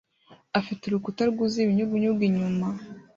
afite urukuta rwuzuye ibinyugunyugu inyuma